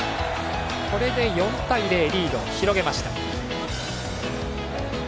４対０とリードを広げました。